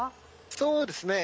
そうですね。